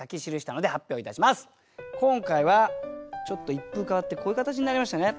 今回はちょっと一風変わってこういう形になりましたね。